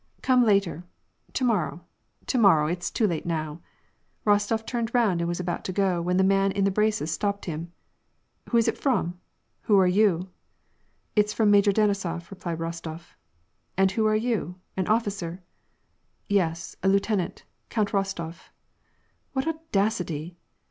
" Come later, to morrow, to morrow. It's too late now." Kostof turned round and was about to go, when the man in the braces stopped him. " Who is it from ? Who are you ?"" It's from Major Denisof," replied Rostof. "And who are you ? An officer ?"" Yes, a lieutenant. Count Rostof." ^ What audacity